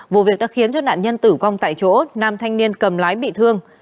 vụ việc đã khiến cho nạn nhân tử vong tại chỗ nam thanh niên cầm lái bị thương